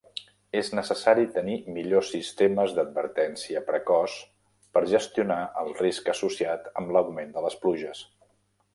És necessari tenir millors sistemes d'advertència precoç per gestionar el risc associat amb l'augment de les pluges.